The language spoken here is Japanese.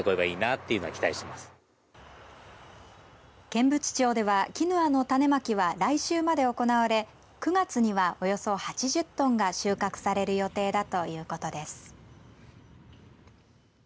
剣淵町ではキヌアの種まきは来週まで行われ９月にはおよそ８０トンが収穫される予定だということです。